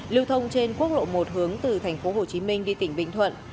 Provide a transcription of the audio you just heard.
lưu thông trên quốc lộ một hướng từ thành phố hồ chí minh đi tỉnh bình thuận